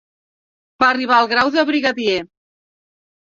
Va arribar al grau de brigadier.